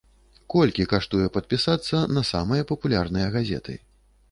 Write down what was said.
Колькі каштуе падпісацца на самыя папулярныя газеты?